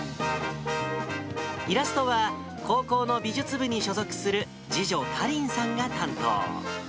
イラストは、高校の美術部に所属する次女、かりんさんが担当。